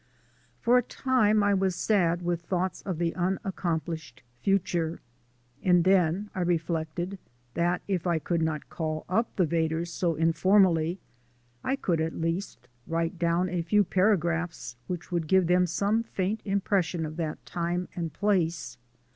For a time I was sad with thoughts of the unaccomplished future, and then I reflected that if I could not call up the Vedders so informally I could at least write down a few paragraphs which would give them some faint impression of that time and place.